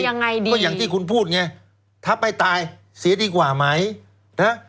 ยังไงดีก็อย่างที่คุณพูดไงถ้าไปตายเสียดีกว่าไหมนะ